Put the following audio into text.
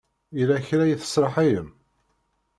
Yella kra i tesraḥayem?